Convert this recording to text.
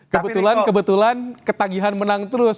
kebetulan kebetulan ketagihan menang terus